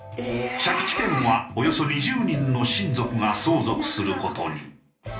借地権はおよそ２０人の親族が相続する事に。